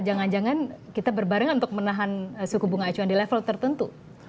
jangan jangan kita berbarengan untuk menahan suku bunga acuan di level tertentu